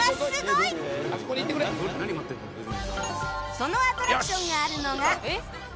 そのアトラクションがあるのが